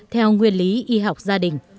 theo nguyên lý y học gia đình